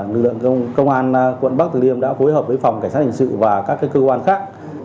công an quận bắc tường liêm đã phối hợp với phòng cảnh sát hình sự và các cơ quan khác